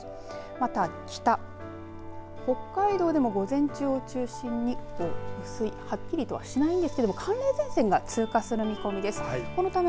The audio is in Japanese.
また、北北海道でも、午前中を中心にはっきりとはしないんですけど寒冷前線が通過する見込みです。